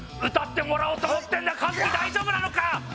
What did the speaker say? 歌ってもらおうと思ってんだカズキ大丈夫なのか？